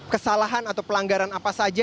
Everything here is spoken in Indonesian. kesalahan atau pelanggaran apa saja